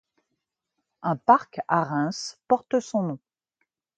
Un parc à Reims porte son nom.